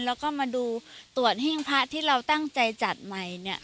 แล้วก็มาดูตรวจสู่พระที่ตั้งใจจะจัดใหม่